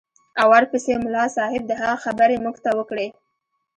او ورپسې ملا صاحب د هغه خبرې موږ ته وکړې.